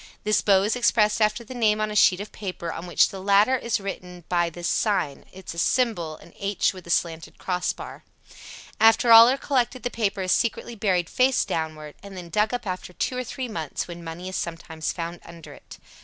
This bow is expressed after the name on a sheet of paper on which the latter is written by this sign [Symbol: H with slanted cross bar]. After all are collected the paper is secretly buried face downward, and then dug up after two or three months, when money is sometimes found under it.